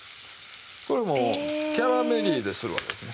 これもうキャラメリーゼするわけですね。